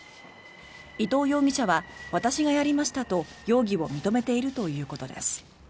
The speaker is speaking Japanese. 伊藤容疑者は、私がやりましたと容疑を認めているということです。